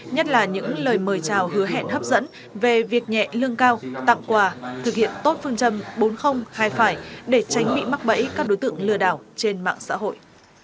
nhất là những lời mời chào hứa hẹn hấp dẫn về việc nhẹ lương cao tặng quà thực hiện tốt phương châm bốn hai để tránh bị mắc bẫy các đối tượng lừa đảo trên mạng xã hội